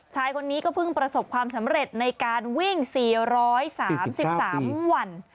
ชายคนนี้ก็เพิ่งประสบความสำเร็จในการวิ่ง๔๓๓วัน